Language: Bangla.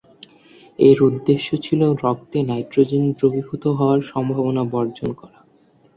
এর উদ্দেশ্য ছিল রক্তে নাইট্রোজেন দ্রবীভূত হওয়ার সম্ভাবনা বর্জন করা।